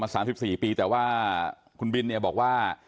ทำมา๓๔ปีแต่ว่าคุณบินบอกว่า